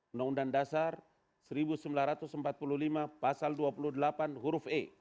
undang undang dasar seribu sembilan ratus empat puluh lima pasal dua puluh delapan huruf e